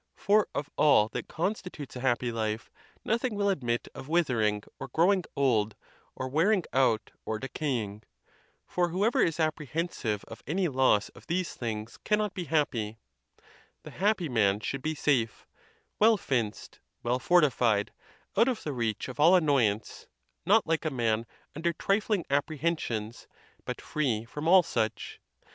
for of all that constitutes a happy life, noth ing will admit of withering, or growing old, or wearing out, or decaying; for whoever is apprehensivegf any loss of these things cannot be happy: the happy man should be safe, well fenced, well fortified, out of the reach of all annoyance, not like a man under trifling apprehensions, but free from all such.